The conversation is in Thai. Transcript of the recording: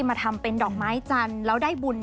มาทำเป็นดอกไม้จันทร์แล้วได้บุญ